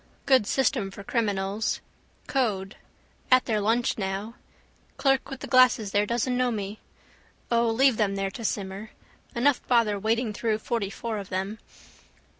Good system for criminals. Code. At their lunch now. Clerk with the glasses there doesn't know me. O, leave them there to simmer. Enough bother wading through fortyfour of them.